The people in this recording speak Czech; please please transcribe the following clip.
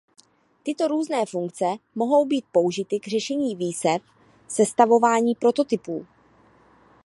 Tyto různé funkce mohou být použity k řešení výzev sestavování prototypů.